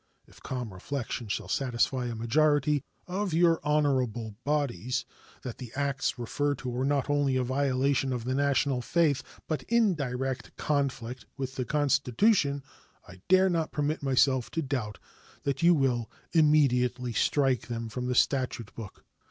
If calm reflection shall satisfy a majority of your honorable bodies that the acts referred to are not only a violation of the national faith, but in direct conflict with the Constitution, I dare not permit myself to doubt that you will immediately strike them from the statute book.